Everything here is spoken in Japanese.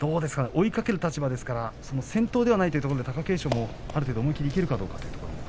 追いかける立場ですが先頭ではないというところで貴景勝も思い切りいけるかどうか。